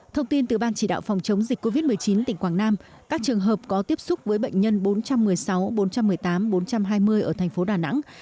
thông tin từ ban chỉ đạo phòng chống dịch covid một mươi chín tỉnh quảng nam các trường hợp có tiếp xúc với bệnh nhân bốn trăm một mươi sáu bốn trăm một mươi tám bốn trăm hai mươi ở thành phố đà nẵng